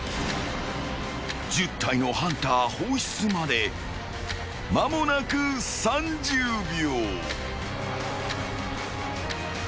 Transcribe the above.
［１０体のハンター放出まで間もなく３０秒］